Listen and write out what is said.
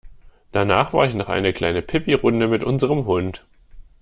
Danach war ich noch eine kleine Pipirunde mit unserem Hund.